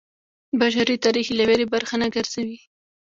بشري تاریخ یې له ویرې برخه نه ګرځوي.